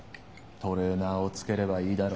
トレーナーをつければいいだろ。